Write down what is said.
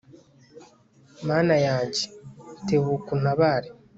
mana yanjye, tebuka untabare